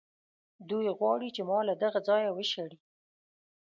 دوی غواړي چې ما له دغه ځایه وشړي.